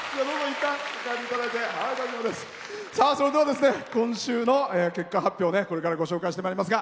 それでは、今週の結果発表をこれからご紹介してまいります。